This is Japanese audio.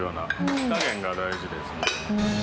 火加減が大事ですね。